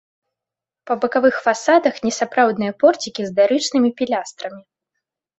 Па бакавых фасадах несапраўдныя порцікі з дарычнымі пілястрамі.